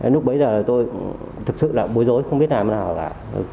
lúc bây giờ tôi thật sự là bối rối không biết làm nào cả